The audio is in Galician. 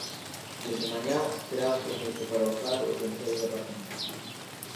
Desde mañá terán permiso para usar os sensores de aparcamento.